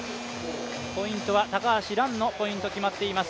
ポイントは高橋藍のポイント、決まっています。